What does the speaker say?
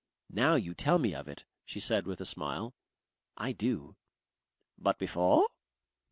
"Now you tell me of it," she said with a smile, "I do." "But before